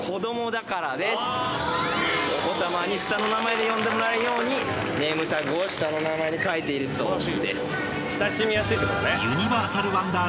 お子さまに下の名前で呼んでもらえるようにネームタグを下の名前で書いているそうです。